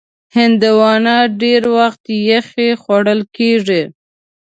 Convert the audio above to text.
هندوانه ډېر وخت یخې خوړل کېږي.